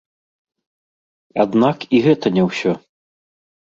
Аднак і гэта не ўсё.